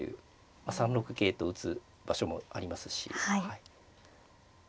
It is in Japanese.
３六桂と打つ場所もありますし。